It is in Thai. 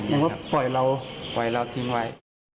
นึกว่าปล่อยเราปล่อยเราทิ้งไว้